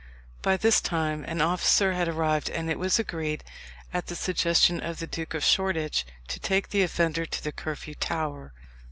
By this time an officer had arrived, and it was agreed, at the suggestion of the Duke of Shoreditch, to take the offender to the Curfew Tower.